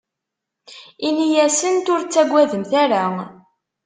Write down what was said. Inna-asent: Ur ttagademt ara.